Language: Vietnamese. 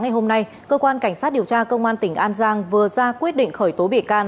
ngày hôm nay cơ quan cảnh sát điều tra công an tỉnh an giang vừa ra quyết định khởi tố bị can